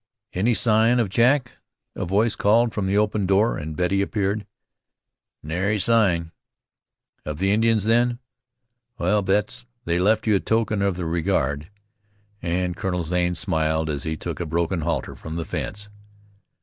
"Any sign of Jack?" a voice called from the open door, and Betty appeared. "Nary sign." "Of the Indians, then?" "Well, Betts, they left you a token of their regard," and Colonel Zane smiled as he took a broken halter from the fence.